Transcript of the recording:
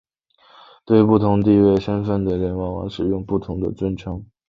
对不同身份地位的人往往使用不同的尊称。